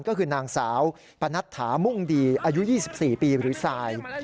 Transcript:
ก็คือนางสาวปนัดถามุ่งดีอายุ๒๔ปีหรือทราย